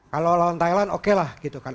kalau lawan thailand oke lah